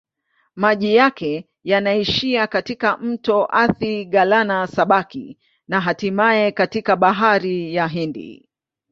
Maji yake yanaishia katika mto Athi-Galana-Sabaki na hatimaye katika Bahari ya Hindi.